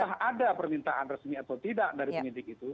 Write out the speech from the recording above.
apakah ada permintaan resmi atau tidak dari penyidik itu